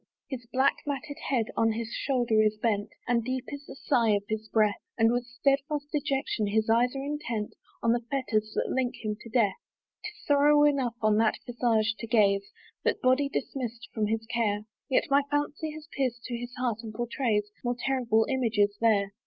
His black matted head on his shoulder is bent, And deep is the sigh of his breath, And with stedfast dejection his eyes are intent On the fetters that link him to death. 'Tis sorrow enough on that visage to gaze. That body dismiss'd from his care; Yet my fancy has pierced to his heart, and pourtrays More terrible images there.